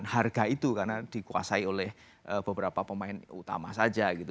harga itu karena dikuasai oleh beberapa pemain utama saja gitu